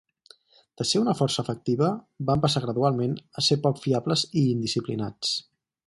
De ser una força efectiva, van passar gradualment a ser poc fiables i indisciplinats.